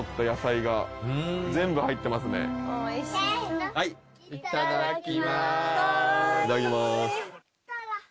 いただきます。